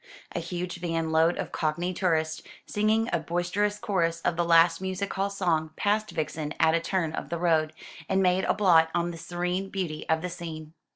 A huge van load of Cockney tourists, singing a boisterous chorus of the last music hall song, passed Vixen at a turn of the road, and made a blot on the serene beauty of the scene.